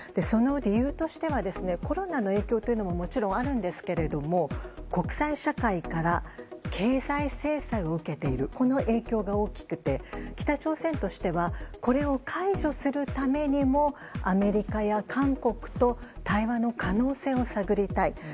その理由としてはコロナの影響ももちろんあるんですけれども国際社会から経済制裁を受けているこの影響が大きくて北朝鮮としてはこれを解除するためにもアメリカや韓国と対話の可能性を探りたい。